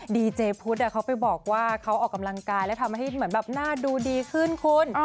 ดีเจพุทธเขาไปบอกว่าเขาออกกำลังกายแล้วทำให้เหมือนแบบหน้าดูดีขึ้นคุณ